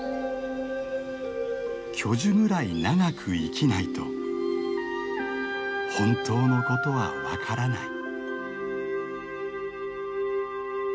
「巨樹ぐらい長く生きないと本当のことは分からない」。